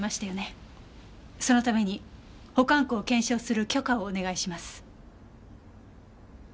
そのために保管庫を検証する許可をお願いします。